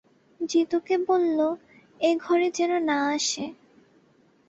জিতুকে বলল, এ ঘরে যেন না আসে।